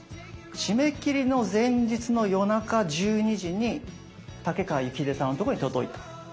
締め切りの前日の夜中１２時にタケカワユキヒデさんのとこに届いた。